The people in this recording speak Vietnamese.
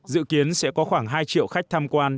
dự kiến sẽ có khoảng hai triệu khách tham quan